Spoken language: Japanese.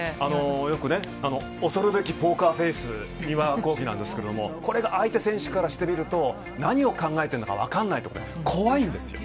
よくね、恐るべきポーカーフェース、丹羽孝希なんですけれども、これが相手選手からしてみると、何を考えてるのか分からないところで、怖いんですよ。